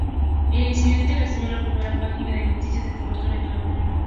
El incidente recibió la primera página de noticias de cobertura en todo el mundo.